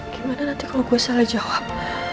gimana nanti kalau gue salah jawab